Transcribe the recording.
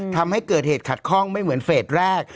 ทำให้เกิดเหตุขัดข้องไม่เหมือนเฟสแรก